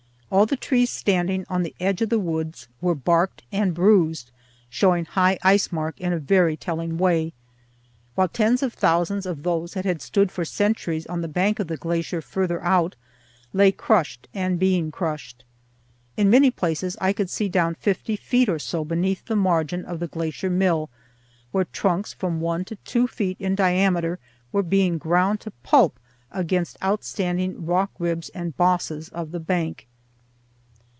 All the trees standing on the edge of the woods were barked and bruised, showing high ice mark in a very telling way, while tens of thousands of those that had stood for centuries on the bank of the glacier farther out lay crushed and being crushed. In many places I could see down fifty feet or so beneath the margin of the glacier mill, where trunks from one to two feet in diameter were being ground to pulp against outstanding rock ribs and bosses of the bank.